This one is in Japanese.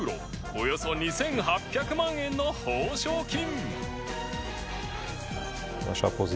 およそ２８００万円の報奨金